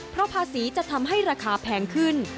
เพราะภาษีจะทำให้ราคาแพงขึ้น